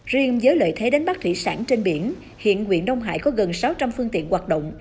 riêng với lợi thế đánh bắt thủy sản trên biển hiện nguyện đông hải có gần sáu trăm linh phương tiện hoạt động